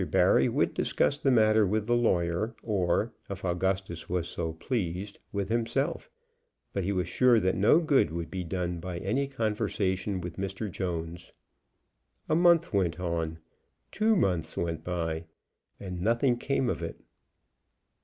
Barry would discuss the matter with the lawyer, or, if Augustus was so pleased, with himself; but he was sure that no good would be done by any conversation with Mr. Jones. A month went on two months went by and nothing came of it.